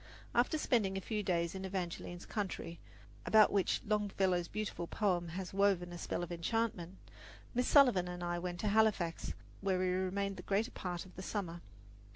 After spending a few days in Evangeline's country, about which Longfellow's beautiful poem has woven a spell of enchantment, Miss Sullivan and I went to Halifax, where we remained the greater part of the summer.